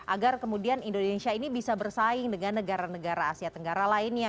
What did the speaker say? agar kemudian indonesia ini bisa bersaing dengan negara negara asia tenggara lainnya